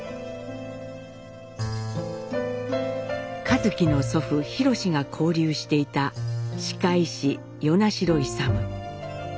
一輝の祖父廣が交流していた歯科医師与那城勇。